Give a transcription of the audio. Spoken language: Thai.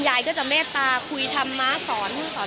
ยายก็จะเมตตาคุยทำม้าสอนคุยสอน